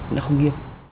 nó không nghiêng